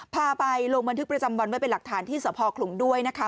พาไปลงบันทึกประจำวันไว้เป็นหลักฐานที่สภขลุงด้วยนะคะ